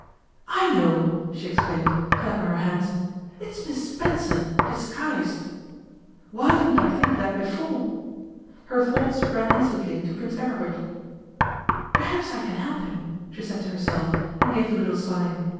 'I know,' she exclaimed, clapping her hands. 'It's Miss Spencer, disguised! Why didn't I think of that before?' Her thoughts ran instantly to Prince Aribert. 'Perhaps I can help him,' she said to herself, and gave a little sigh.